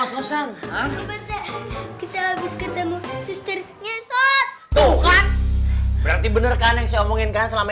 kebosan kita habis ketemu sister nyesot tuh kan berarti bener kan yang saya omongin kan selama